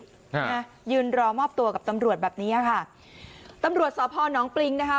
ฮะน่ะยืนรอมอบตัวกับตำรวจแบบนี้ค่ะตำรวจสอบพ่อนองปลิงนะคะ